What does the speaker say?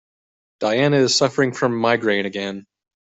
Diana is suffering from migraine again.